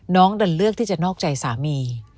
ดันเลือกที่จะนอกใจสามี